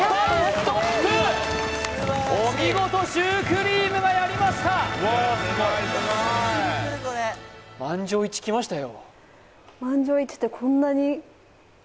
ストップお見事シュークリームがやりました